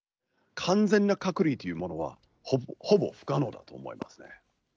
完全な隔離というものは、ほぼ不可能だと思いますね。